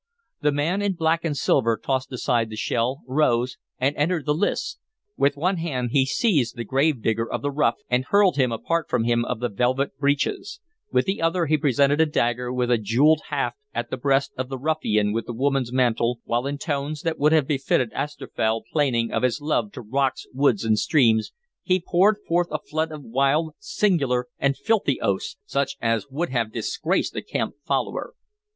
The man in black and silver tossed aside the shell, rose, and entered the lists. With one hand he seized the gravedigger of the ruff, and hurled him apart from him of the velvet breeches; with the other he presented a dagger with a jeweled haft at the breast of the ruffian with the woman's mantle, while in tones that would have befitted Astrophel plaining of his love to rocks, woods, and streams, he poured forth a flood of wild, singular, and filthy oaths, such as would have disgraced a camp follower.